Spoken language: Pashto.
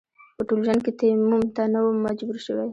په ټول ژوند کې تيمم ته نه وم مجبور شوی.